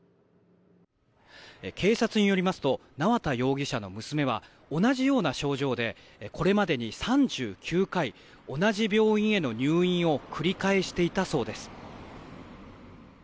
警察によりますと縄田容疑者の娘は同じような症状でこれまでに３９回同じ病院への入院を繰り返していたそうです。